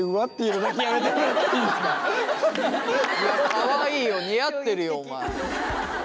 かわいいよ似合ってるよお前。